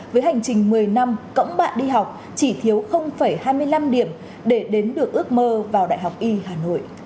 với hành trình một mươi năm cõng bạn đi học chỉ thiếu hai mươi năm điểm để đến được ước mơ vào đại học y hà nội